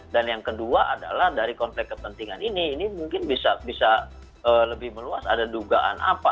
dan yang kedua adalah dari konflik kepentingan ini ini mungkin bisa lebih meluas ada dugaan apa